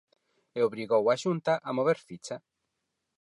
E obrigou á Xunta a mover ficha.